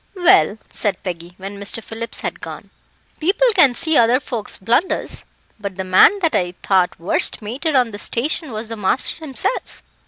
"Well," said Peggy, when Mr. Phillips had gone, "people can see other folks' blunders, but the man that I thought worst mated on the station was the master himself.